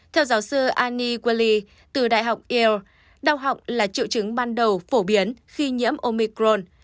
theo giáo sư annie willey từ đại học yale đau họng là triệu trứng ban đầu phổ biến khi nhiễm omicron